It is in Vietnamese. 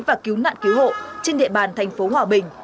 và cứu nạn cứu hộ trên địa bàn thành phố hòa bình